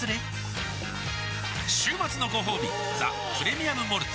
週末のごほうび「ザ・プレミアム・モルツ」